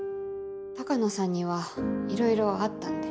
鷹野さんにはいろいろあったんで。